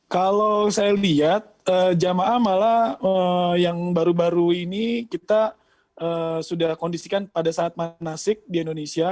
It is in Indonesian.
kalau saya lihat jamaah malah yang baru baru ini kita sudah kondisikan pada saat manasik di indonesia